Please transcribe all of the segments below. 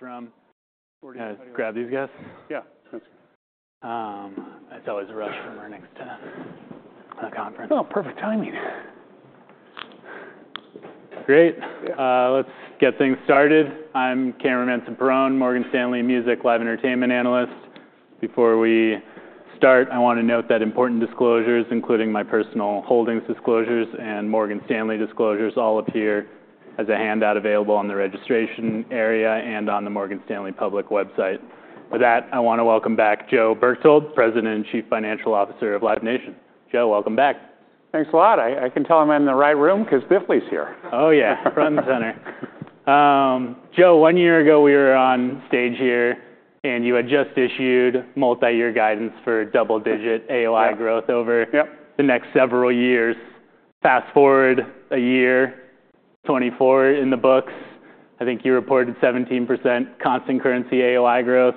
Cameron. Grab these guys? Yeah. That's always a rush from our next conference. Oh, perfect timing. Great. Let's get things started. I'm Cameron Mansson-Perrone, Morgan Stanley Music Live Entertainment Analyst. Before we start, I want to note that important disclosures, including my personal holdings disclosures and Morgan Stanley disclosures, all appear as a handout available on the registration area and on the Morgan Stanley public website. With that, I want to welcome back Joe Berchtold, President and Chief Financial Officer of Live Nation. Joe, welcome back. Thanks a lot. I can tell I'm in the right room because Biff Lyons here. Oh, yeah. Front and center. Joe, one year ago we were on stage here and you had just issued multi-year guidance for double-digit AOI growth over the next several years. Fast forward a year, 2024 in the books, I think you reported 17% constant currency AOI growth.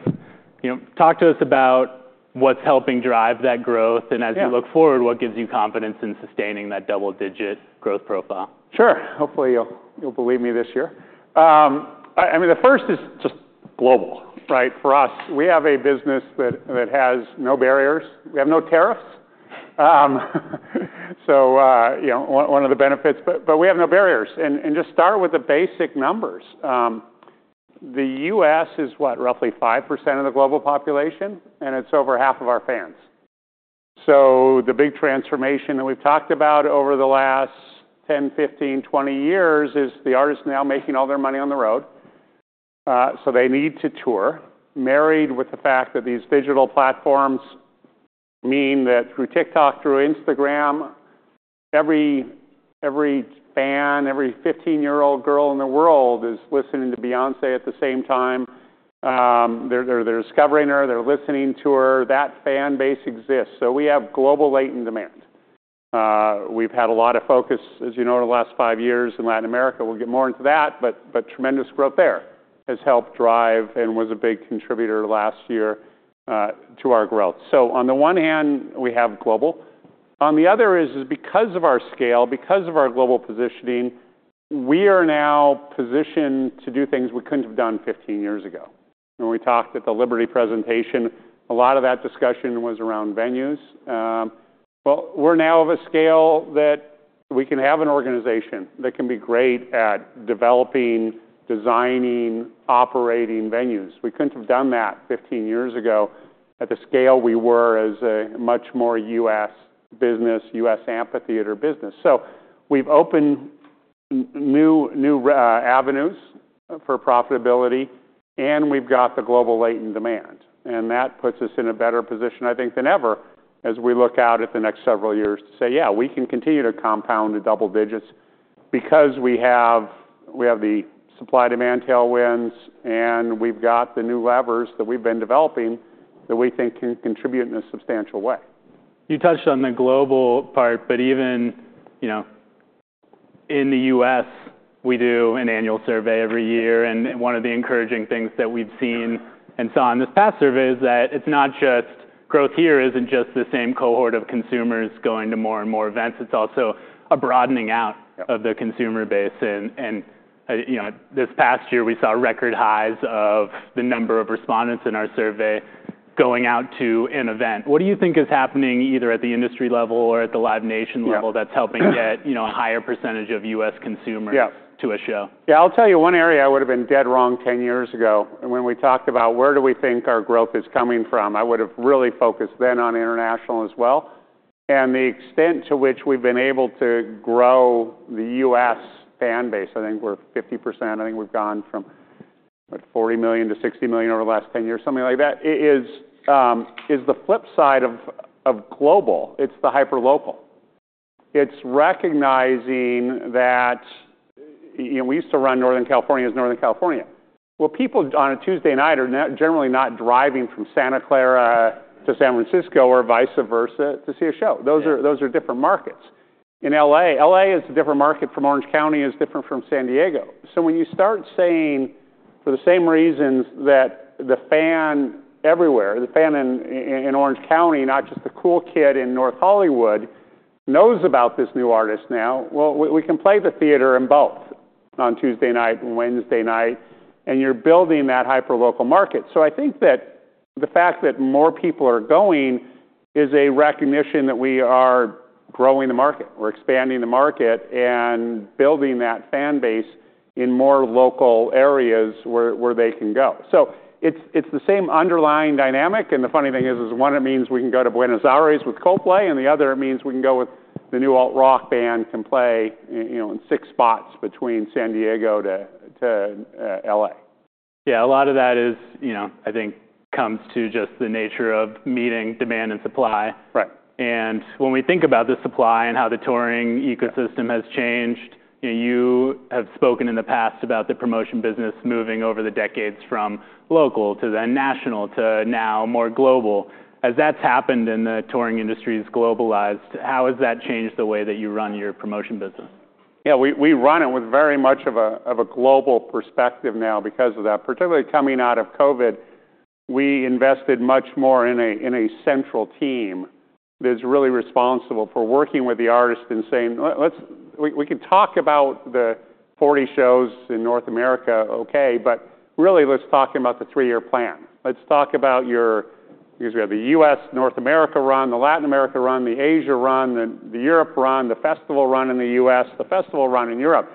Talk to us about what's helping drive that growth and as you look forward, what gives you confidence in sustaining that double-digit growth profile? Sure. Hopefully you'll believe me this year. I mean, the first is just global. For us, we have a business that has no barriers. We have no tariffs. So one of the benefits, but we have no barriers, and just start with the basic numbers. The U.S. is, what, roughly 5% of the global population and it's over half of our fans. So the big transformation that we've talked about over the last 10, 15, 20 years is the artists now making all their money on the road. So they need to tour, married with the fact that these digital platforms mean that through TikTok, through Instagram, every fan, every 15-year-old girl in the world is listening to Beyoncé at the same time. They're discovering her, they're listening to her. That fan base exists. So we have global latent demand. We've had a lot of focus, as you know, in the last five years in Latin America. We'll get more into that, but tremendous growth there has helped drive and was a big contributor last year to our growth. So on the one hand, we have global. On the other is, because of our scale, because of our global positioning, we are now positioned to do things we couldn't have done 15 years ago. When we talked at the Liberty presentation, a lot of that discussion was around venues. Well, we're now of a scale that we can have an organization that can be great at developing, designing, operating venues. We couldn't have done that 15 years ago at the scale we were as a much more U.S. business, U.S. amphitheater business. So we've opened new avenues for profitability and we've got the global latent demand. And that puts us in a better position, I think, than ever as we look out at the next several years to say, yeah, we can continue to compound to double digits because we have the supply-demand tailwinds and we've got the new levers that we've been developing that we think can contribute in a substantial way. You touched on the global part, but even in the U.S., we do an annual survey every year. And one of the encouraging things that we've seen and saw in this past survey is that it's not just growth here isn't just the same cohort of consumers going to more and more events. It's also a broadening out of the consumer base. And this past year we saw record highs of the number of respondents in our survey going out to an event. What do you think is happening either at the industry level or at the Live Nation level that's helping get a higher percentage of U.S. consumers to a show? Yeah, I'll tell you one area I would have been dead wrong 10 years ago when we talked about where do we think our growth is coming from. I would have really focused then on international as well. And the extent to which we've been able to grow the U.S. fan base, I think we're 50%. I think we've gone from 40 million to 60 million over the last 10 years, something like that. It is the flip side of global. It's the hyperlocal. It's recognizing that we used to run Northern California as Northern California. Well, people on a Tuesday night are generally not driving from Santa Clara to San Francisco or vice versa to see a show. Those are different markets. In L.A., L.A. is a different market from Orange County is different from San Diego. When you start saying for the same reasons that the fan everywhere, the fan in Orange County, not just the cool kid in North Hollywood, knows about this new artist now. Well, we can play the theater in both on Tuesday night and Wednesday night, and you're building that hyperlocal market. So I think that the fact that more people are going is a recognition that we are growing the market. We're expanding the market and building that fan base in more local areas where they can go. So it's the same underlying dynamic. And the funny thing is, one it means we can go to Buenos Aires with Coldplay, and the other it means we can go with the new alt-rock band can play in six spots between San Diego to L.A. Yeah, a lot of that is, I think, comes to just the nature of meeting demand and supply. And when we think about the supply and how the touring ecosystem has changed, you have spoken in the past about the promotion business moving over the decades from local to then national to now more global. As that's happened and the touring industry has globalized, how has that changed the way that you run your promotion business? Yeah, we run it with very much of a global perspective now because of that. Particularly coming out of COVID, we invested much more in a central team that's really responsible for working with the artist and saying, we can talk about the 40 shows in North America, okay, but really let's talk about the three-year plan. Let's talk about your, because we have the U.S., North America run, the Latin America run, the Asia run, the Europe run, the festival run in the US, the festival run in Europe.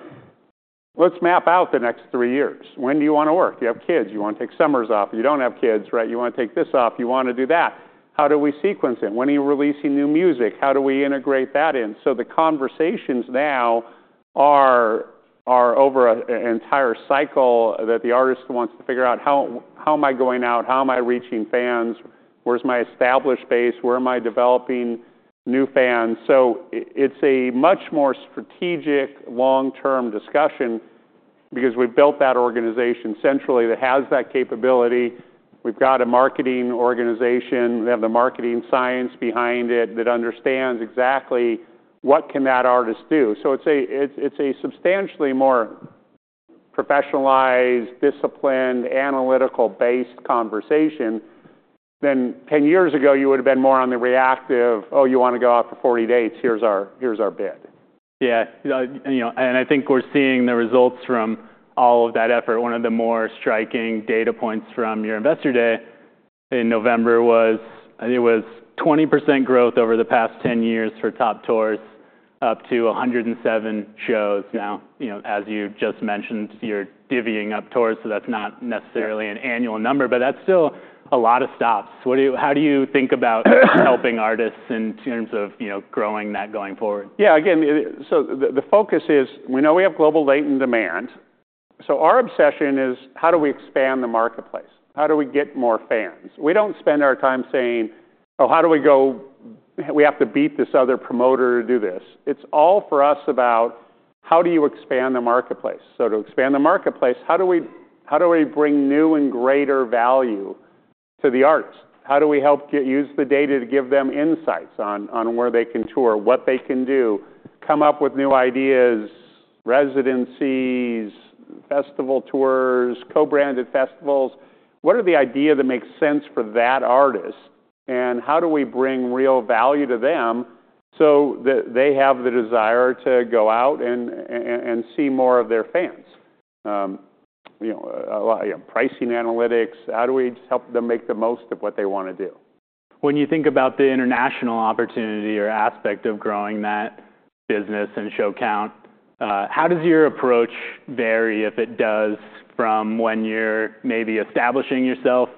Let's map out the next three years. When do you want to work? You have kids, you want to take summers off. You don't have kids, right? You want to take this off, you want to do that. How do we sequence it? When are you releasing new music? How do we integrate that in? So the conversations now are over an entire cycle that the artist wants to figure out how am I going out, how am I reaching fans, where's my established base, where am I developing new fans? So it's a much more strategic long-term discussion because we've built that organization centrally that has that capability. We've got a marketing organization. We have the marketing science behind it that understands exactly what can that artist do. So it's a substantially more professionalized, disciplined, analytical-based conversation than 10 years ago you would have been more on the reactive, oh, you want to go out for 40 days, here's our bid. Yeah, and I think we're seeing the results from all of that effort. One of the more striking data points from your investor day in November was 20% growth over the past 10 years for top tours, up to 107 shows now. As you just mentioned, you're divvying up tours, so that's not necessarily an annual number, but that's still a lot of stops. How do you think about helping artists in terms of growing that going forward? Yeah, again, so the focus is we know we have global latent demand. So our obsession is how do we expand the marketplace? How do we get more fans? We don't spend our time saying, oh, how do we go, we have to beat this other promoter to do this. It's all for us about how do you expand the marketplace? So to expand the marketplace, how do we bring new and greater value to the artists? How do we help use the data to give them insights on where they can tour, what they can do, come up with new ideas, residencies, festival tours, co-branded festivals? What are the ideas that make sense for that artist and how do we bring real value to them so that they have the desire to go out and see more of their fans? Pricing analytics, how do we help them make the most of what they want to do? When you think about the international opportunity or aspect of growing that business and show count, how does your approach vary if it does from when you're maybe establishing yourself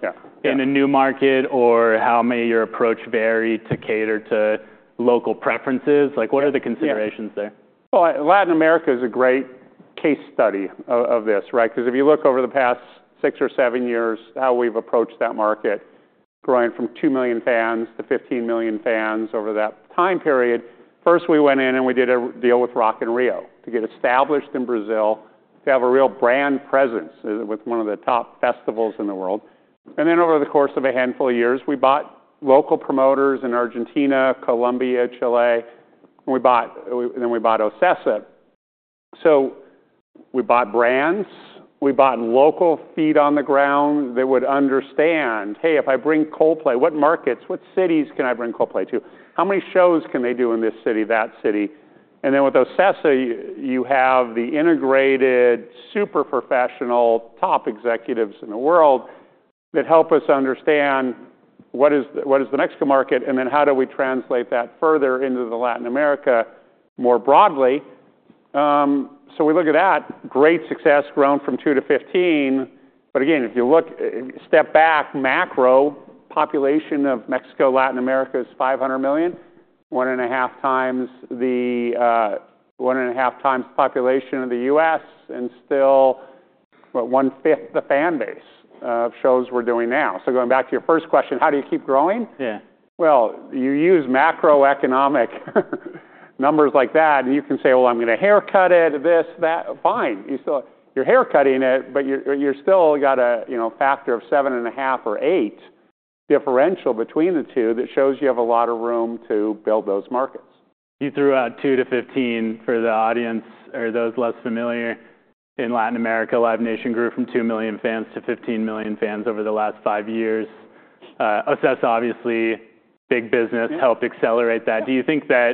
in a new market or how may your approach vary to cater to local preferences? What are the considerations there? Latin America is a great case study of this, right? Because if you look over the past six or seven years, how we've approached that market, growing from two million fans to 15 million fans over that time period. First, we went in and we did a deal with Rock in Rio to get established in Brazil, to have a real brand presence with one of the top festivals in the world. Then over the course of a handful of years, we bought local promoters in Argentina, Colombia, Chile, and then we bought OCESA. So we bought brands, we bought local feet on the ground that would understand, hey, if I bring Coldplay, what markets, what cities can I bring Coldplay to? How many shows can they do in this city, that city? And then with OCESA, you have the integrated super professional top executives in the world that help us understand what is the Mexican market and then how do we translate that further into Latin America more broadly. So we look at that, great success grown from 2 to 15. But again, if you look, step back, macro population of Mexico, Latin America is 500 million, 1.5x the population of the U.S. and still 1/5 the fan base of shows we're doing now. So going back to your first question, how do you keep growing? Yeah. You use macroeconomic numbers like that and you can say, well, I'm going to haircut it, this, that, fine. You're haircutting it, but you're still got a factor of 7.5 or 8 differential between the two that shows you have a lot of room to build those markets. You threw out 2-15 for the audience. Are those less familiar? In Latin America, Live Nation grew from 2 million fans to 15 million fans over the last five years. OCESA, obviously, big business helped accelerate that. Do you think that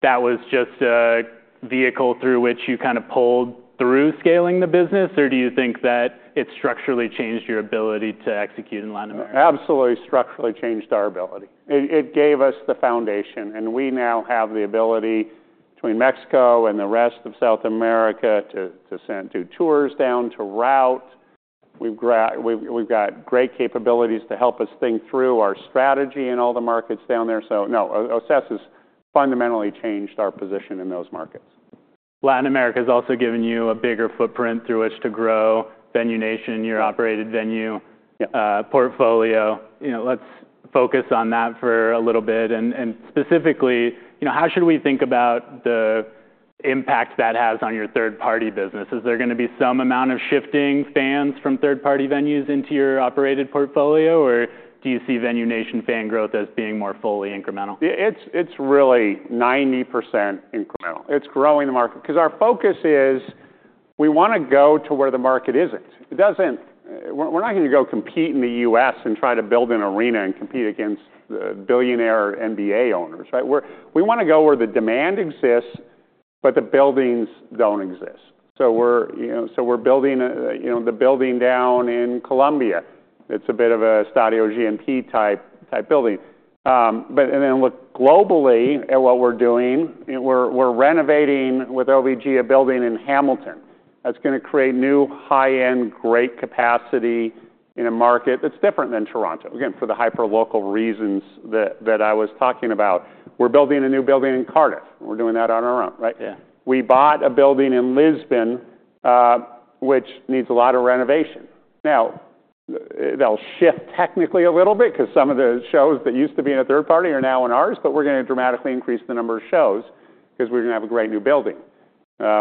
that was just a vehicle through which you kind of pulled through scaling the business or do you think that it structurally changed your ability to execute in Latin America? Absolutely structurally changed our ability. It gave us the foundation and we now have the ability between Mexico and the rest of South America to send our tours down there. We've got great capabilities to help us think through our strategy in all the markets down there. So no, OCESA has fundamentally changed our position in those markets. Latin America has also given you a bigger footprint through which to grow Venue Nation, your operated venue portfolio. Let's focus on that for a little bit. Specifically, how should we think about the impact that has on your third-party business? Is there going to be some amount of shifting fans from third-party venues into your operated portfolio or do you see Venue Nation fan growth as being more fully incremental? It's really 90% incremental. It's growing the market because our focus is we want to go to where the market isn't. We're not going to go compete in the U.S. and try to build an arena and compete against the billionaire NBA owners, right? We want to go where the demand exists, but the buildings don't exist. So we're building the building down in Colombia. It's a bit of a Estadio GNP-type building. But then look globally at what we're doing. We're renovating with OVG a building in Hamilton. That's going to create new high-end, great capacity in a market that's different than Toronto. Again, for the hyperlocal reasons that I was talking about, we're building a new building in Cardiff. We're doing that on our own, right? We bought a building in Lisbon, which needs a lot of renovation. Now, they'll shift technically a little bit because some of the shows that used to be in a third party are now in ours, but we're going to dramatically increase the number of shows because we're going to have a great new building.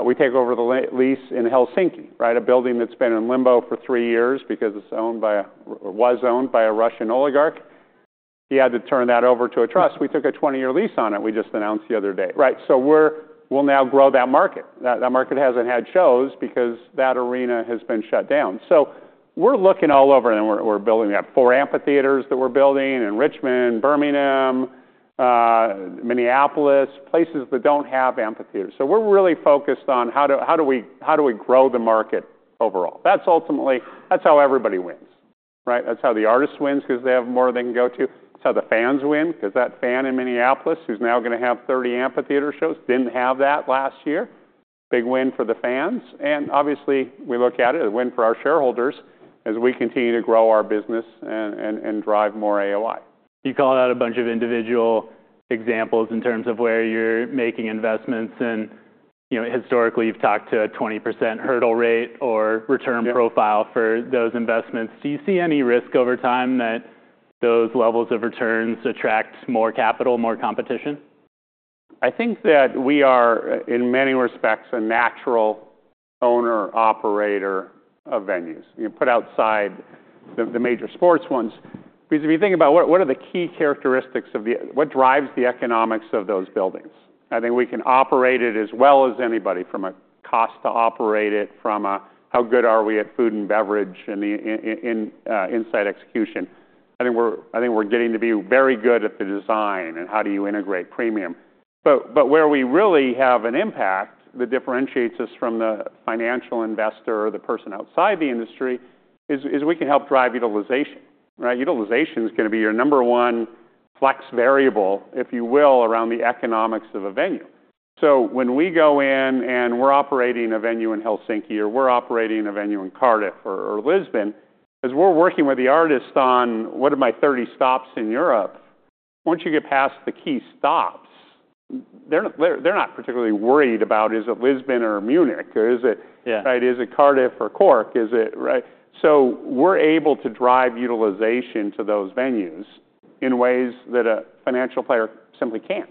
We take over the lease in Helsinki, right? A building that's been in limbo for three years because it was owned by a Russian oligarch. He had to turn that over to a trust. We took a 20-year lease on it. We just announced the other day, right? So we'll now grow that market. That market hasn't had shows because that arena has been shut down. So we're looking all over and we're building up four amphitheaters that we're building in Richmond, Birmingham, Minneapolis, places that don't have amphitheaters. So we're really focused on how do we grow the market overall. That's ultimately, that's how everybody wins. Right. That's how the artist wins because they have more they can go to. It's how the fans win because that fan in Minneapolis who's now going to have 30 amphitheater shows didn't have that last year. Big win for the fans. And obviously, we look at it as a win for our shareholders as we continue to grow our business and drive more AOI. You call out a bunch of individual examples in terms of where you're making investments and historically you've talked to a 20% hurdle rate or return profile for those investments. Do you see any risk over time that those levels of returns attract more capital, more competition? I think that we are in many respects a natural owner-operator of venues. You put outside the major sports ones. Because if you think about what are the key characteristics of the, what drives the economics of those buildings? I think we can operate it as well as anybody from a cost to operate it, from how good are we at food and beverage and inside execution. I think we're getting to be very good at the design and how do you integrate premium. But where we really have an impact that differentiates us from the financial investor or the person outside the industry is we can help drive utilization, right? Utilization is going to be your number one flex variable, if you will, around the economics of a venue. So when we go in and we're operating a venue in Helsinki or we're operating a venue in Cardiff or Lisbon, as we're working with the artist on what are my 30 stops in Europe, once you get past the key stops, they're not particularly worried about is it Lisbon or Munich or is it Cardiff or Cork, is it, right? So we're able to drive utilization to those venues in ways that a financial player simply can't.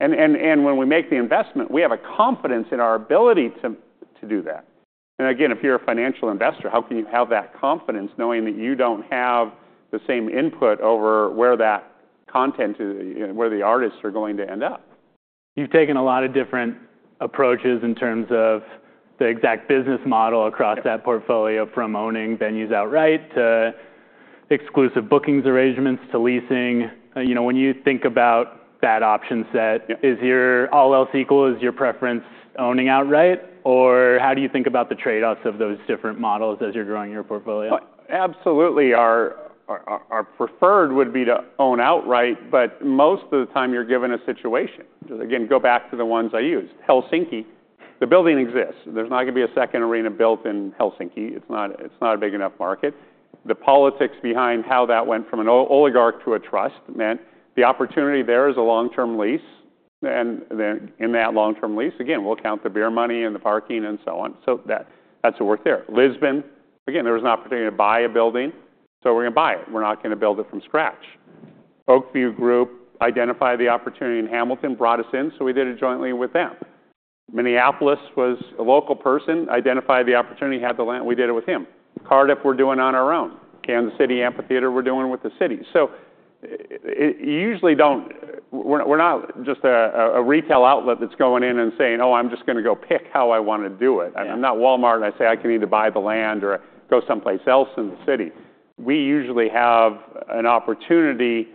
And when we make the investment, we have a confidence in our ability to do that. And again, if you're a financial investor, how can you have that confidence knowing that you don't have the same input over where that content, where the artists are going to end up? You've taken a lot of different approaches in terms of the exact business model across that portfolio from owning venues outright to exclusive bookings arrangements to leasing. When you think about that option set, is your all else equal preference owning outright or how do you think about the trade-offs of those different models as you're growing your portfolio? Absolutely. Our preferred would be to own outright, but most of the time you're given a situation. Again, go back to the ones I used. Helsinki, the building exists. There's not going to be a second arena built in Helsinki. It's not a big enough market. The politics behind how that went from an oligarch to a trust meant the opportunity there is a long-term lease, and in that long-term lease, again, we'll count the beer money and the parking and so on. So that's what we're there. Lisbon, again, there was an opportunity to buy a building. So we're going to buy it. We're not going to build it from scratch. Oak View Group identified the opportunity in Hamilton, brought us in, so we did it jointly with them. Minneapolis was a local person, identified the opportunity, had the land, we did it with him. Cardiff, we're doing on our own. Kansas City Amphitheater, we're doing with the city. So usually don't, we're not just a retail outlet that's going in and saying, oh, I'm just going to go pick how I want to do it. I'm not Walmart and I say I can either buy the land or go someplace else in the city. We usually have an opportunity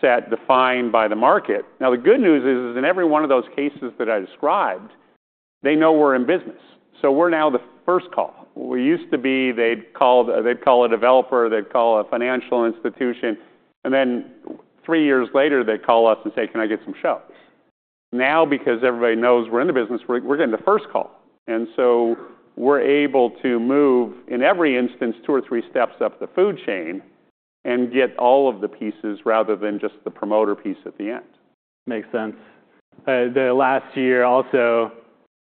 set defined by the market. Now, the good news is in every one of those cases that I described, they know we're in business. So we're now the first call. We used to be, they'd call a developer, they'd call a financial institution, and then three years later they'd call us and say, can I get some show? Now, because everybody knows we're in the business, we're getting the first call. And so we're able to move in every instance two or three steps up the food chain and get all of the pieces rather than just the promoter piece at the end. Makes sense. The last year also,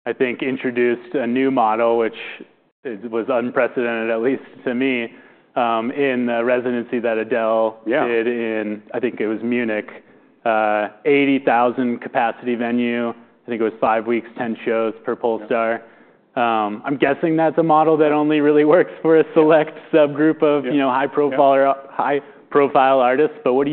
I think, introduced a new model, which was unprecedented at least to me in the residency that Adele did in, I think it was Munich, 80,000 capacity venue. I think it was five weeks, 10 shows per Pollstar. I'm guessing that's a model that only really works for a select subgroup of high-profile artists. But how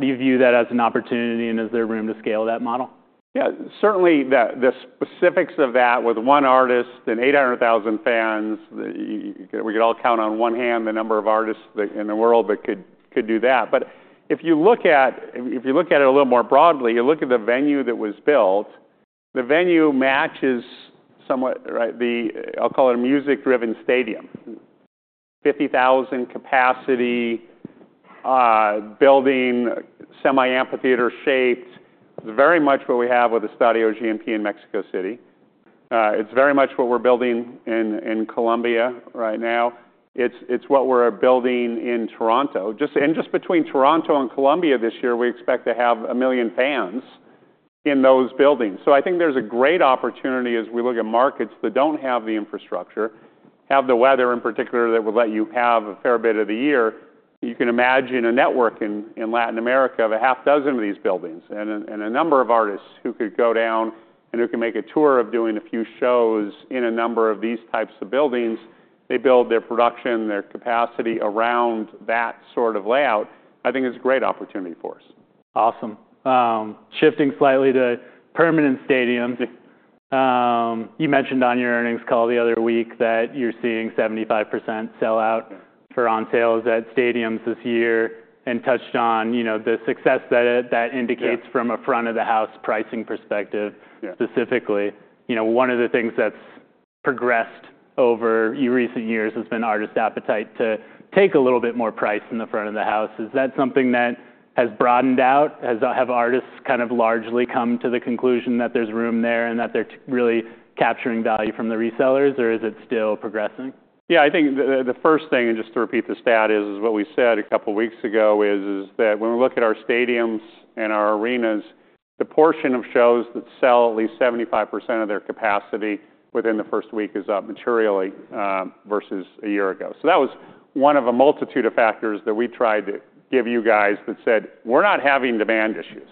do you view that as an opportunity and is there room to scale that model? Yeah, certainly the specifics of that with one artist and 800,000 fans, we could all count on one hand the number of artists in the world that could do that. But if you look at it a little more broadly, you look at the venue that was built. The venue matches somewhat. I'll call it a music-driven stadium: 50,000 capacity building, semi-amphitheater shaped, very much what we have with the Estadio GNP Seguros in Mexico City. It's very much what we're building in Colombia right now. It's what we're building in Toronto, and just between Toronto and Colombia this year, we expect to have a million fans in those buildings. So I think there's a great opportunity as we look at markets that don't have the infrastructure, have the weather in particular that would let you have a fair bit of the year. You can imagine a network in Latin America of a half dozen of these buildings and a number of artists who could go down and who can make a tour of doing a few shows in a number of these types of buildings. They build their production, their capacity around that sort of layout. I think it's a great opportunity for us. Awesome. Shifting slightly to permanent stadiums. You mentioned on your earnings call the other week that you're seeing 75% sell-out for on sales at stadiums this year and touched on the success that indicates from a front-of-the-house pricing perspective specifically. One of the things that's progressed over recent years has been artist appetite to take a little bit more price in the front of the house. Is that something that has broadened out? Have artists kind of largely come to the conclusion that there's room there and that they're really capturing value from the resellers or is it still progressing? Yeah, I think the first thing, and just to repeat the stat is what we said a couple of weeks ago is that when we look at our stadiums and our arenas, the portion of shows that sell at least 75% of their capacity within the first week is up materially versus a year ago. So that was one of a multitude of factors that we tried to give you guys that said, we're not having demand issues.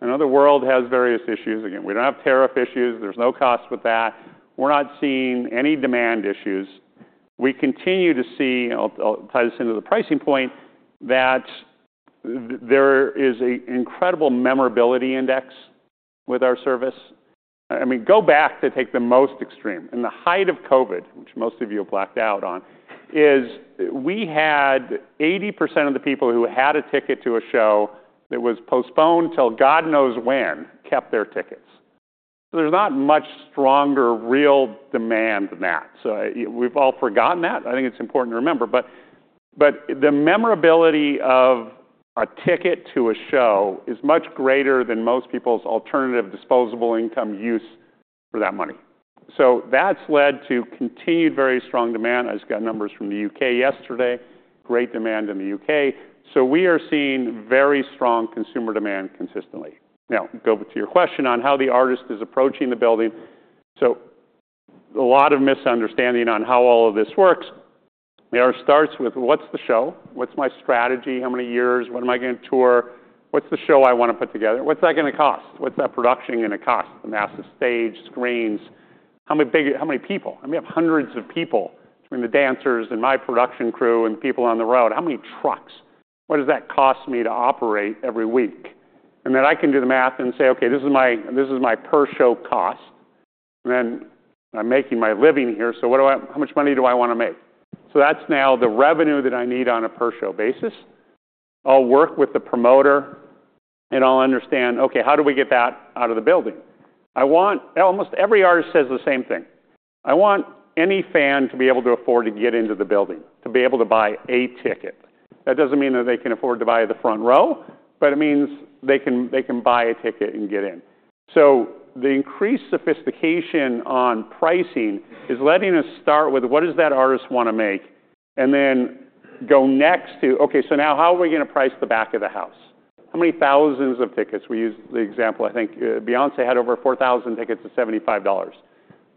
I know the world has various issues. Again, we don't have tariff issues. There's no cost with that. We're not seeing any demand issues. We continue to see, I'll tie this into the pricing point, that there is an incredible memorability index with our service. I mean, go back to take the most extreme. In the height of COVID, which most of you have blacked out on, is we had 80% of the people who had a ticket to a show that was postponed 'til God knows when kept their tickets. There's not much stronger real demand than that. So we've all forgotten that. I think it's important to remember. But the memorability of a ticket to a show is much greater than most people's alternative disposable income use for that money. So that's led to continued very strong demand. I just got numbers from the U.K. yesterday. Great demand in the U.K. So we are seeing very strong consumer demand consistently. Now, go to your question on how the artist is approaching the building. So a lot of misunderstanding on how all of this works. It starts with what's the show? What's my strategy? How many years? When am I going to tour? What's the show I want to put together? What's that going to cost? What's that production going to cost? The massive stage, screens. How many people? I mean, we have hundreds of people between the dancers and my production crew and people on the road. How many trucks? What does that cost me to operate every week? And then I can do the math and say, okay, this is my per-show cost. And then I'm making my living here. So how much money do I want to make? So that's now the revenue that I need on a per show basis. I'll work with the promoter and I'll understand, okay, how do we get that out of the building? Almost every artist says the same thing. I want any fan to be able to afford to get into the building, to be able to buy a ticket. That doesn't mean that they can afford to buy the front row, but it means they can buy a ticket and get in. So the increased sophistication on pricing is letting us start with what does that artist want to make and then go next to, okay, so now how are we going to price the back of the house? How many thousands of tickets? We use the example, I think Beyoncé had over 4,000 tickets at $75 and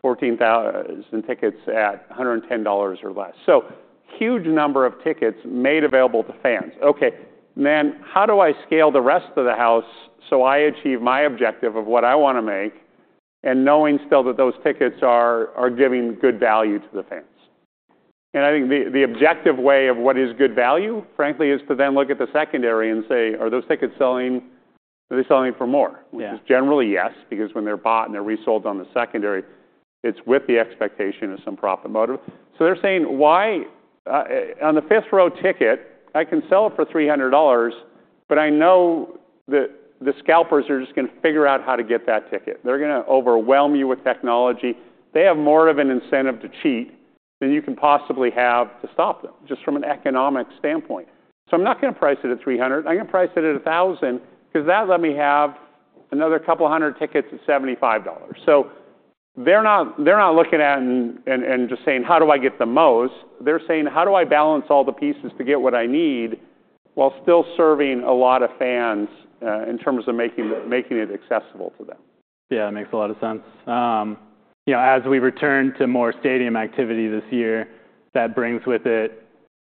14,000 tickets at $110 or less. So huge number of tickets made available to fans. Okay, then how do I scale the rest of the house so I achieve my objective of what I want to make and knowing still that those tickets are giving good value to the fans? And I think the objective way of what is good value, frankly, is to then look at the secondary and say, are those tickets selling? Are they selling for more? Which is generally yes, because when they're bought and they're resold on the secondary, it's with the expectation of some profit motive. So they're saying, why on the fifth row ticket, I can sell it for $300, but I know that the scalpers are just going to figure out how to get that ticket. They're going to overwhelm you with technology. They have more of an incentive to cheat than you can possibly have to stop them just from an economic standpoint. So I'm not going to price it at $300. I'm going to price it at $1,000 because that let me have another couple of hundred tickets at $75. So they're not looking at and just saying, how do I get the most? They're saying, how do I balance all the pieces to get what I need while still serving a lot of fans in terms of making it accessible to them? Yeah, that makes a lot of sense. As we return to more stadium activity this year, that brings with it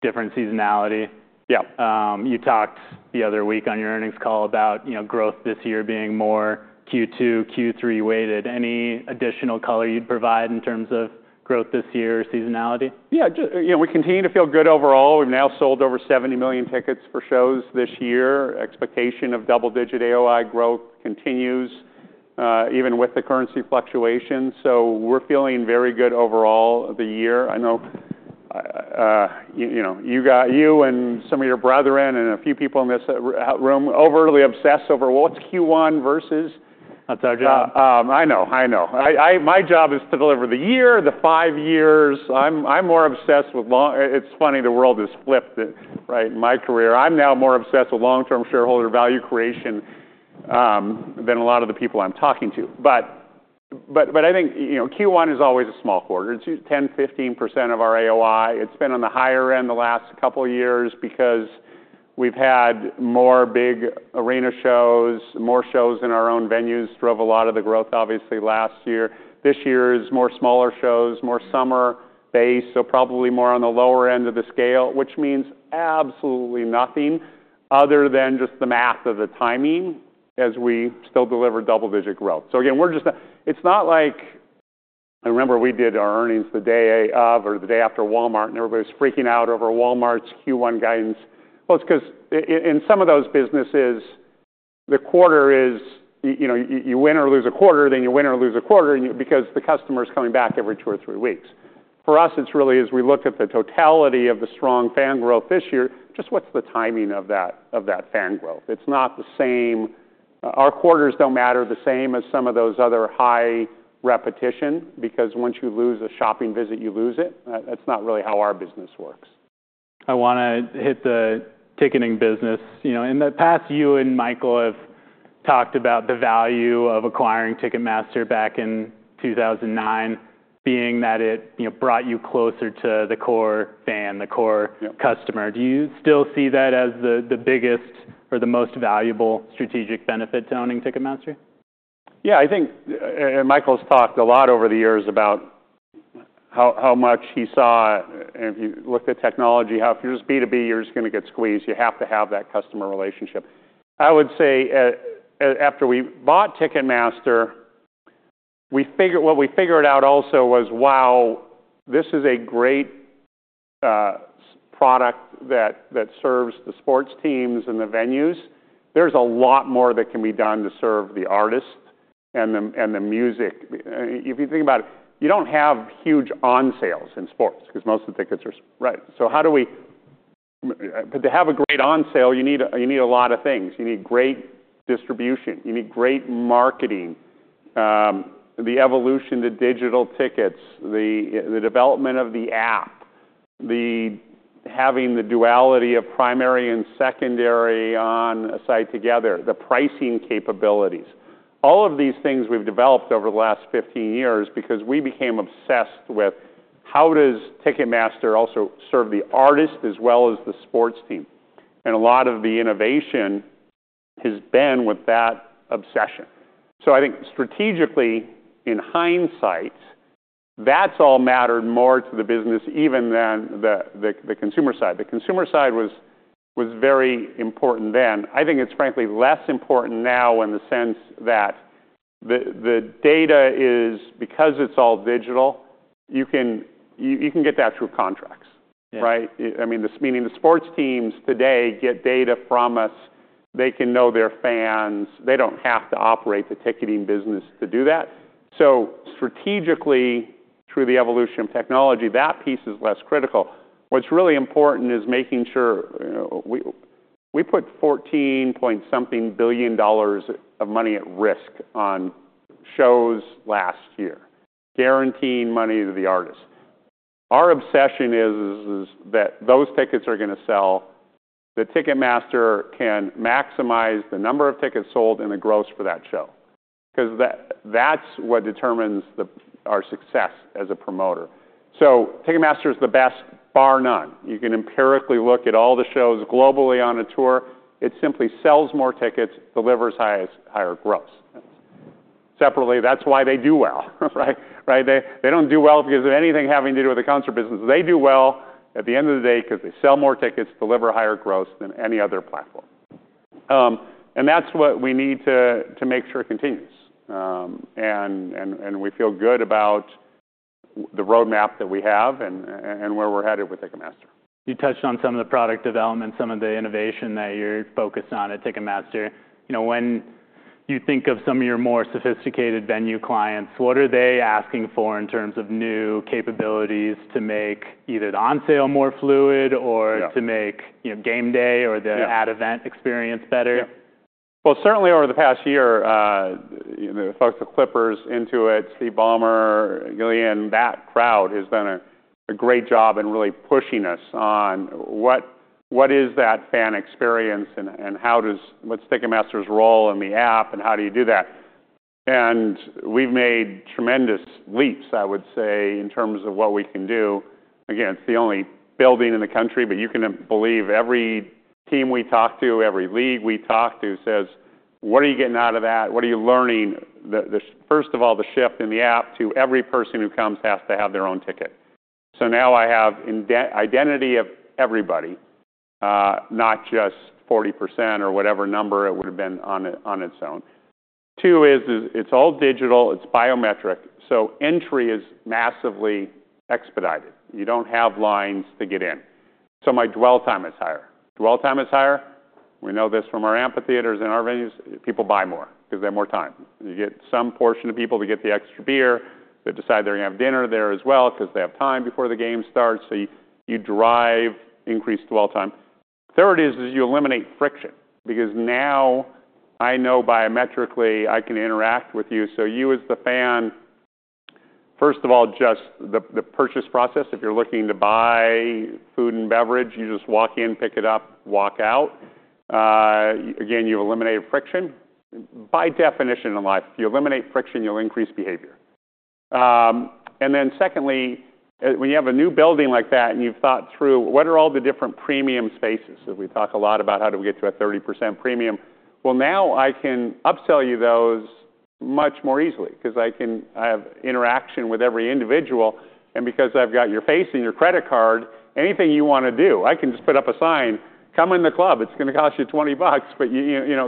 different seasonality. Yeah. You talked the other week on your earnings call about growth this year being more Q2- and Q3-weighted. Any additional color you'd provide in terms of growth this year or seasonality? Yeah, we continue to feel good overall. We've now sold over 70 million tickets for shows this year. Expectation of double-digit AOI growth continues even with the currency fluctuation. So we're feeling very good overall the year. I know you and some of your brethren and a few people in this room overly obsessed over what's Q1 versus— That's our job. I know, I know. My job is to deliver the year, the five years. I'm more obsessed with long-term. It's funny, the world has flipped, right? My career, I'm now more obsessed with long-term shareholder value creation than a lot of the people I'm talking to. But I think Q1 is always a small quarter. It's 10% to 15% of our AOI. It's been on the higher end the last couple of years because we've had more big arena shows, more shows in our own venues drove a lot of the growth obviously last year. This year is more smaller shows, more summer based, so probably more on the lower end of the scale, which means absolutely nothing other than just the math of the timing as we still deliver double-digit growth. So again, we're just—It's not like—I remember we did our earnings the day of or the day after Walmart and everybody was freaking out over Walmart's Q1 guidance. Well, it's because in some of those businesses, the quarter is you win or lose a quarter, then you win or lose a quarter because the customer's coming back every two or three weeks. For us, it's really as we look at the totality of the strong fan growth this year, just what's the timing of that fan growth? It's not the same. Our quarters don't matter the same as some of those other high repetition because once you lose a shopping visit, you lose it. That's not really how our business works. I want to hit the ticketing business. In the past, you and Michael have talked about the value of acquiring Ticketmaster back in 2009, being that it brought you closer to the core fan, the core customer. Do you still see that as the biggest or the most valuable strategic benefit to owning Ticketmaster? Yeah, I think Michael's talked a lot over the years about how much he saw, if you look at technology, how if you're just B2B, you're just going to get squeezed. You have to have that customer relationship. I would say after we bought Ticketmaster, what we figured out also was, wow, this is a great product that serves the sports teams and the venues. There's a lot more that can be done to serve the artist and the music. If you think about it, you don't have huge on sales in sports because most of the tickets are—right. So how do we—To have a great on sale, you need a lot of things. You need great distribution. You need great marketing. The evolution, the digital tickets, the development of the app, having the duality of primary and secondary on a site together, the pricing capabilities. All of these things we've developed over the last 15 years because we became obsessed with how does Ticketmaster also serve the artist as well as the sports team. And a lot of the innovation has been with that obsession. So I think strategically, in hindsight, that's all mattered more to the business even than the consumer side. The consumer side was very important then. I think it's frankly less important now in the sense that the data is, because it's all digital, you can get that through contracts, right? I mean, meaning the sports teams today get data from us. They can know their fans. They don't have to operate the ticketing business to do that. So strategically, through the evolution of technology, that piece is less critical. What's really important is making sure we put $14 point something billion of money at risk on shows last year, guaranteeing money to the artist. Our obsession is that those tickets are going to sell. Ticketmaster can maximize the number of tickets sold and the gross for that show because that's what determines our success as a promoter. So, Ticketmaster is the best—bar none. You can empirically look at all the shows globally on a tour. It simply sells more tickets, delivers higher gross. Separately, that's why they do well, right? They don't do well because of anything having to do with the concert business. They do well at the end of the day because they sell more tickets, deliver higher gross than any other platform. And that's what we need to make sure continues. We feel good about the roadmap that we have and where we're headed with Ticketmaster. You touched on some of the product development, some of the innovation that you're focused on at Ticketmaster. When you think of some of your more sophisticated venue clients, what are they asking for in terms of new capabilities to make either the on sale more fluid or to make game day or the event experience better? Certainly over the past year, the folks at Clippers, Intuit, Steve Ballmer, Gillian, that crowd has done a great job in really pushing us on what is that fan experience and what's Ticketmaster's role in the app and how do you do that? We've made tremendous leaps, I would say, in terms of what we can do. Again, it's the only building in the country, but you can believe every team we talk to, every league we talk to says, what are you getting out of that? What are you learning? First of all, the shift in the app to every person who comes has to have their own ticket. So now I have identity of everybody, not just 40% or whatever number it would have been on its own. Two is it's all digital. It's biometric. So entry is massively expedited. You don't have lines to get in. So my dwell time is higher. Dwell time is higher. We know this from our amphitheaters and our venues. People buy more because they have more time. You get some portion of people to get the extra beer. They decide they're going to have dinner there as well because they have time before the game starts. So you drive increased dwell time. Third is you eliminate friction because now I know biometrically I can interact with you. So you as the fan, first of all, just the purchase process. If you're looking to buy food and beverage, you just walk in, pick it up, walk out. Again, you've eliminated friction. By definition in life, if you eliminate friction, you'll increase behavior. And then secondly, when you have a new building like that and you've thought through what are all the different premium spaces, as we talk a lot about how do we get to a 30% premium? Well, now I can upsell you those much more easily because I have interaction with every individual. And because I've got your face and your credit card, anything you want to do, I can just put up a sign, come in the club. It's going to cost you 20 bucks, but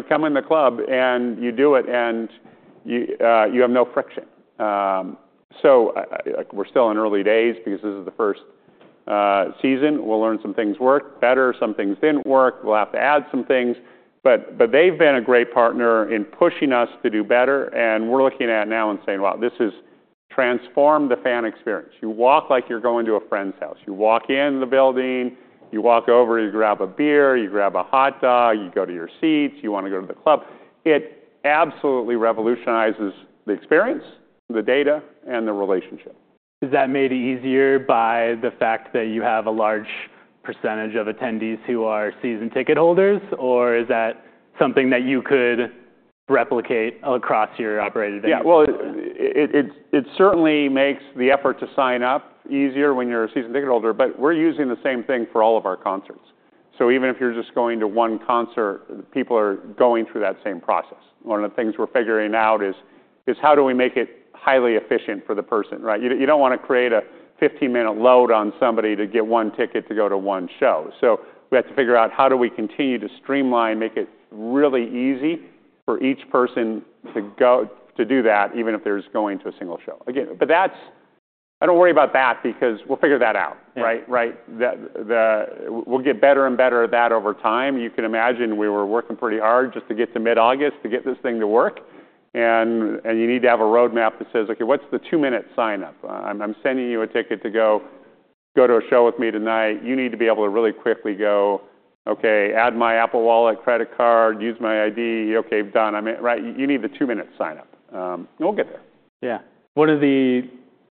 come in the club and you do it and you have no friction. So we're still in early days because this is the first season. We'll learn some things work better, some things didn't work. We'll have to add some things. But they've been a great partner in pushing us to do better. And we're looking at now and saying, Wow, this has transformed the fan experience. You walk like you're going to a friend's house. You walk in the building, you walk over, you grab a beer, you grab a hot dog, you go to your seats, you want to go to the club. It absolutely revolutionizes the experience, the data, and the relationship. Is that made easier by the fact that you have a large percentage of attendees who are season ticket holders, or is that something that you could replicate across your operated venue? Yeah, well, it certainly makes the effort to sign up easier when you're a season ticket holder, but we're using the same thing for all of our concerts. So even if you're just going to one concert, people are going through that same process. One of the things we're figuring out is how do we make it highly efficient for the person, right? You don't want to create a 15-minute load on somebody to get one ticket to go to one show. So we have to figure out how do we continue to streamline, make it really easy for each person to do that, even if they're just going to a single show. Again, but that's—I don't worry about that because we'll figure that out, right? We'll get better and better at that over time. You can imagine we were working pretty hard just to get to mid-August to get this thing to work. And you need to have a roadmap that says, okay, what's the two-minute signup? I'm sending you a ticket to go to a show with me tonight. You need to be able to really quickly go, okay, add my Apple Wallet, credit card, use my ID—okay, done. You need the two-minute signup. We'll get there. Yeah. One of the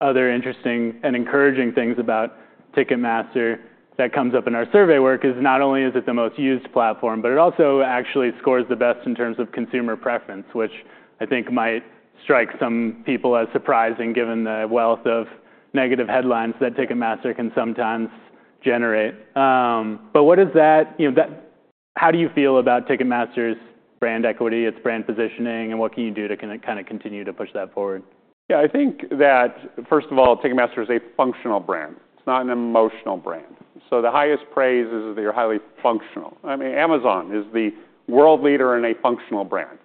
other interesting and encouraging things about Ticketmaster that comes up in our survey work is not only is it the most used platform, but it also actually scores the best in terms of consumer preference, which I think might strike some people as surprising given the wealth of negative headlines that Ticketmaster can sometimes generate. But what is that? How do you feel about Ticketmaster's brand equity, its brand positioning, and what can you do to kind of continue to push that forward? Yeah, I think that, first of all, Ticketmaster is a functional brand. It's not an emotional brand. So the highest praise is that you're highly functional. I mean, Amazon is the world leader in a functional brand.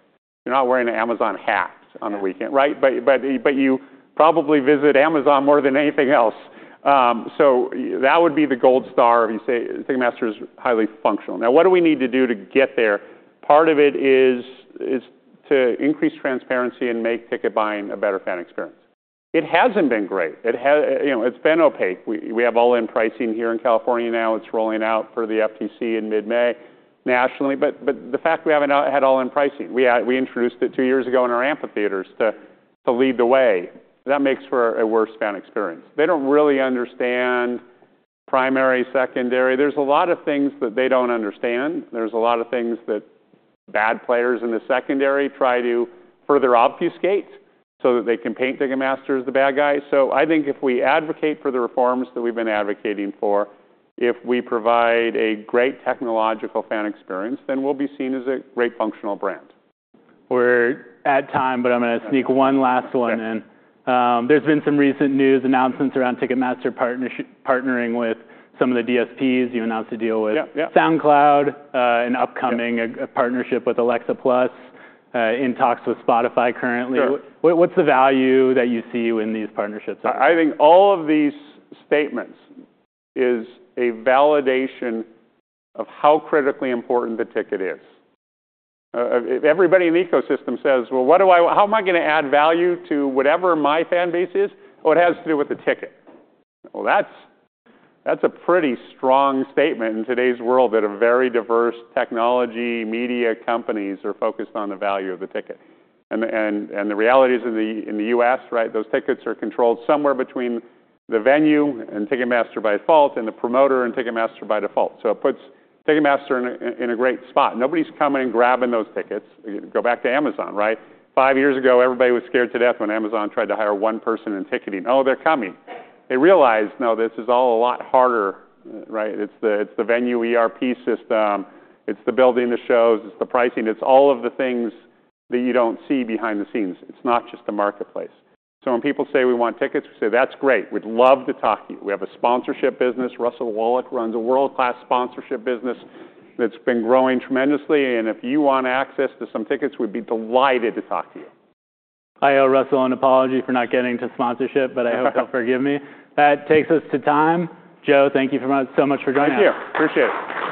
You're not wearing an Amazon hat on the weekend, right? But you probably visit Amazon more than anything else. So that would be the gold star if you say Ticketmaster is highly functional. Now, what do we need to do to get there? Part of it is to increase transparency and make ticket buying a better fan experience. It hasn't been great. It's been opaque. We have all-in pricing here in California now. It's rolling out for the FTC in mid-May, nationally. But the fact we haven't had all-in pricing, we introduced it two years ago in our amphitheaters to lead the way. That makes for a worse fan experience. They don't really understand primary, secondary. There's a lot of things that they don't understand. There's a lot of things that bad players in the secondary try to further obfuscate so that they can paint Ticketmaster as the bad guy. So I think if we advocate for the reforms that we've been advocating for, if we provide a great technological fan experience, then we'll be seen as a great functional brand. We're at time, but I'm going to sneak one last one in. There's been some recent news announcements around Ticketmaster partnering with some of the DSPs. You announced a deal with SoundCloud, an upcoming partnership with Alexa+, in talks with Spotify currently. What's the value that you see when these partnerships are? I think all of these statements are a validation of how critically important the ticket is. If everybody in the ecosystem says, well, how am I going to add value to whatever my fan base is? Well, it has to do with the ticket. Well, that's a pretty strong statement in today's world that a very diverse technology media companies are focused on the value of the ticket. And the reality is in the U.S., right? Those tickets are controlled somewhere between the venue and Ticketmaster by default and the promoter and Ticketmaster by default. So it puts Ticketmaster in a great spot. Nobody's coming and grabbing those tickets. Go back to Amazon, right? Five years ago, everybody was scared to death when Amazon tried to hire one person in ticketing. Oh, they're coming. They realized, no, this is all a lot harder, right? It's the venue ERP system. It's the building the shows. It's the pricing. It's all of the things that you don't see behind the scenes. It's not just the marketplace. So when people say we want tickets, we say, that's great. We'd love to talk to you. We have a sponsorship business. Russell Wallach runs a world-class sponsorship business that's been growing tremendously. And if you want access to some tickets, we'd be delighted to talk to you. Hi, Russell, and apologies for not getting to sponsorship, but I hope he'll forgive me. That takes us to time. Joe, thank you so much for joining us. Thank you. Appreciate it.